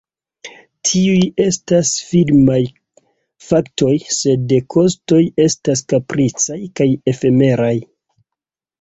Tiuj estas firmaj faktoj, sed kostoj estas kapricaj kaj efemeraj.